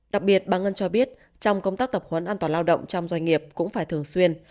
đặc biệt bà ngân cho biết trong công tác tập huấn an toàn lao động trong doanh nghiệp cũng phải thường xuyên